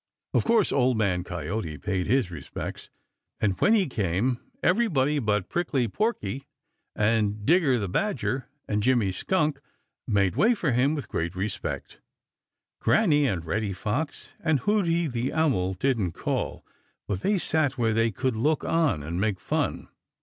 Of course Old Man Coyote paid his respects, and when he came everybody but Prickly Porky and Digger the Badger and Jimmy Skunk made way for him with great respect. Granny and Reddy Fox and Hooty the Owl didn't call, but they sat where they could look on and make fun.